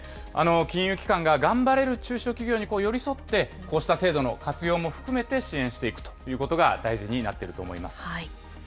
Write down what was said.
金融機関が頑張れる中小企業に寄り添って、こうした制度の活用も含めて支援していくということが大事になってると思います。